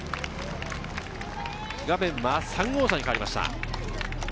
画面は３号車に変わりました。